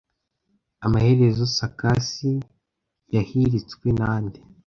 Amaherezo Sakas yahiritswe nande